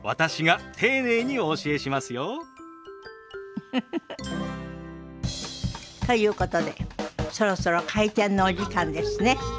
ウフフフ。ということでそろそろ開店のお時間ですね。